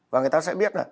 và người ta sẽ biết